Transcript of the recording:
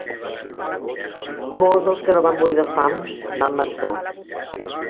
Molts dels que no van morir de fam van marxar.